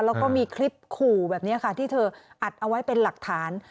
แล้วก็มีคลิปขู่แบบนี้ค่ะที่เธออัดเอาไว้เป็นหลักฐาน